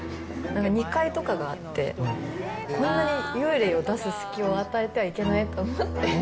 ２階とかがあって、こんなに幽霊を出す隙を与えてはいけないと思って。